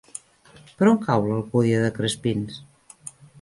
Per on cau l'Alcúdia de Crespins?